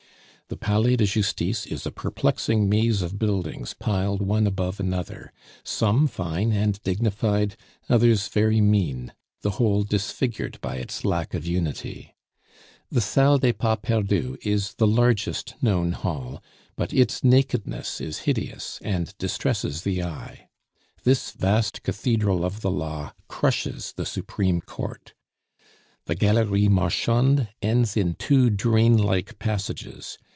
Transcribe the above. The Palais de Justice is a perplexing maze of buildings piled one above another, some fine and dignified, others very mean, the whole disfigured by its lack of unity. The Salle des Pas Perdus is the largest known hall, but its nakedness is hideous, and distresses the eye. This vast Cathedral of the Law crushes the Supreme Court. The Galerie Marchande ends in two drain like passages.